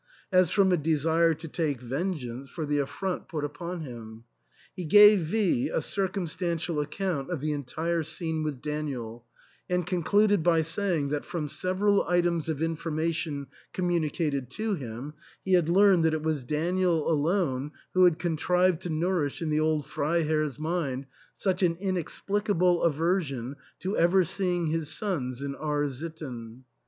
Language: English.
— as from a desire to take vengeance for the affront put upon him. He gave V a circumstantial account of the entire scene with Daniel, and concluded by sajing that from several items of information communicated to him he had learned that it was Daniel alone who had con trived to nourish in the old Freiherr's mind such an inexplicable aversion to ever seeing his sons in R — sitten.